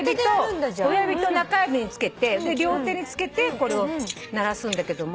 親指と中指につけて両手につけてこれを鳴らす。